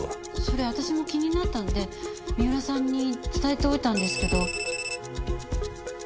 それ私も気になったので三浦さんに伝えておいたんですけど。